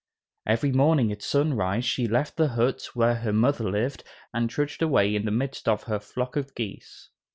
Every morning at sunrise she left the hut where her mother lived, and trudged away in the midst of her flock of geese.